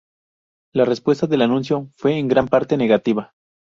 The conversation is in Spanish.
La respuesta del anuncio fue en gran parte negativa.